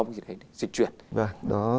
một cái gì đấy dịch chuyển và đó